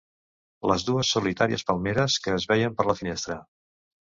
Les dues solitàries palmeres que es veien per la finestra.